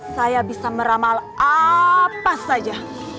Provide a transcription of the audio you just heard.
saya bisa meramal apa saja